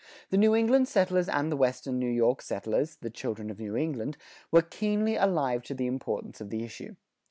The New England settlers and the western New York settlers, the children of New England, were keenly alive to the importance of the issue.